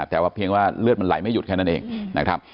แต่ว่าเพียงว่าเลือดมันไหลไม่หยุดแค่นั้นเองนะครับ